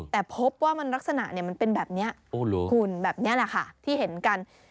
แต่พบว่ามันลักษณะมันเป็นแบบนี้หุ่นแบบนี้แหละค่ะที่เห็นกัน